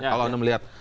kalau anda melihat